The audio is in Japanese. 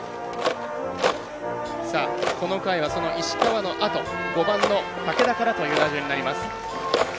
この回は石川のあと５番の武田からという打順になります。